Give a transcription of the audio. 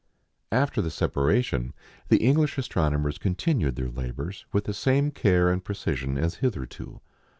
After the separation the English astronomers continued their labours with the same care and precision as hitherto.